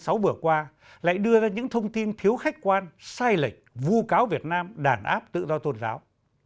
một mươi tháng sáu bữa qua lại đưa ra những thông tin thiếu khách quan sai lệch vô cáo việt nam đàn áp tự do tôn giáo